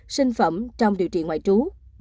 sinh phẩm trong điều trị ngoại trú